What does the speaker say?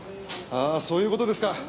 ああそういう事ですか。